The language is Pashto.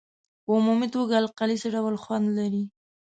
په عمومي توګه القلي څه ډول خوند لري؟